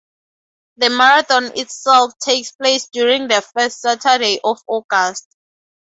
The marathon itself takes place during the first Saturday of August.